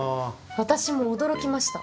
私も驚きました。